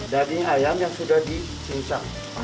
daging ayam yang sudah disingsa